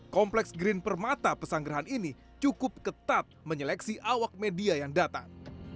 kompleks green permata pesanggerahan ini cukup ketat menyeleksi awak media yang datang